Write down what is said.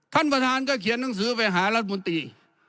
ท่านประธานก็เขียนหนังสือไปหารัฐมนตรี